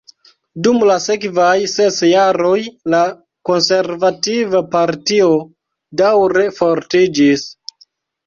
Dum la sekvaj ses jaroj, la Konservativa Partio daŭre fortiĝis.